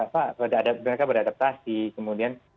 mereka beradaptasi kemudian